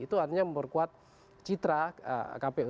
itu artinya memperkuat citra kpu